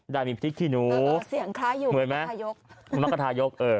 ได้มีพฤติขี้หนูเหมือนไหมมะกระทายก